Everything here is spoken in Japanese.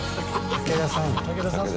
武田さんの。